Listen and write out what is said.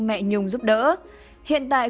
mẹ nhung giúp đỡ hiện tại